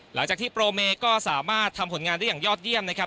หลังจากที่โปรเมย์ก็สามารถทำผลงานได้อย่างยอดเยี่ยมนะครับ